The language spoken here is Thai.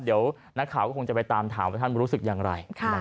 เดี๋ยวนักข่าวก็คงจะไปตามถามว่าท่านรู้สึกอย่างไร